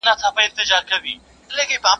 بيزو وان يې پر تخت كښېناوه پاچا سو.